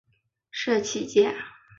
社企界